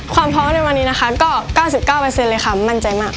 ความพร้อมในวันนี้นะคะก็๙๙เลยค่ะมั่นใจมาก